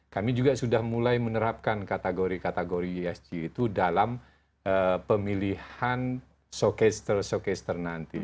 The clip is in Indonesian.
kami juga sudah mulai menerapkan kategori kategori esg itu dalam pemilihan showcaster showcaster nanti